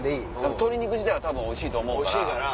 鶏肉自体はおいしいと思うから。